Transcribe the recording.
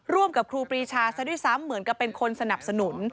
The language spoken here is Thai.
ร่วมกับครูปรีชาซะด้วยซ้ำเหมือนกับเป็นคนสนับสนุน